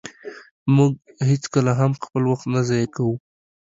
مونږ هيڅکله هم خپل وخت نه ضایع کوو.